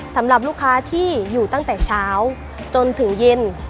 สำหรับลูกค้าที่อยู่ตั้งแต่เช้าจนถึงเย็น